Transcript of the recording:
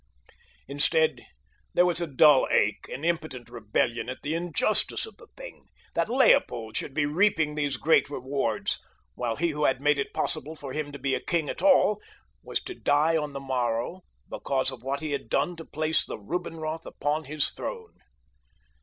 Instead, there was a dull ache and impotent rebellion at the injustice of the thing—that Leopold should be reaping these great rewards, while he who had made it possible for him to be a king at all was to die on the morrow because of what he had done to place the Rubinroth upon his throne.